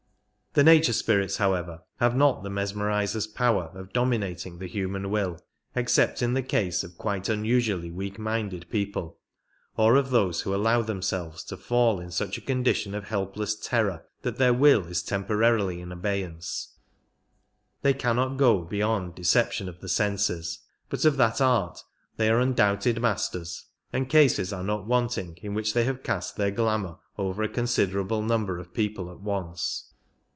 The nature spirits, however, have not the mesmerizer's power of dominating the human will, except in the case of quite unusually weak minded people, or of those who allow themselves to fall into such a condition of helpless terror that their will is temporarily in abeyance ; they cannot go beyond deception of the senses, but of that art they are un doubted masters, arid cases are not wanting in which they have cast their glamour over a considerable number of people at once.